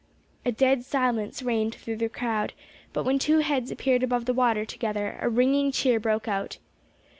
A dead silence reigned through the crowd; but when two heads appeared above the water together, a ringing cheer broke out.